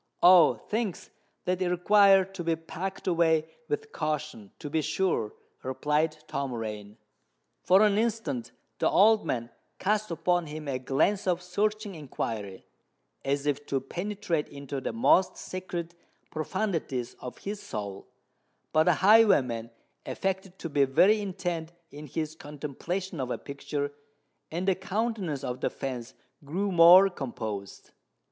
"Oh! things that require to be packed away with caution, to be sure," replied Tom Rain. For an instant the old man cast upon him a glance of searching inquiry, as if to penetrate into the most secret profundities of his soul; but the highwayman affected to be very intent in his contemplation of a picture, and the countenance of the fence grew more composed.